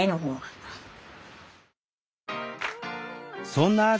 そんなあ